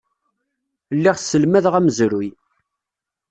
Lliɣ sselmadeɣ amezruy.